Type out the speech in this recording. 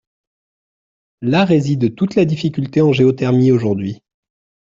Là réside toute la difficulté en géothermie aujourd’hui.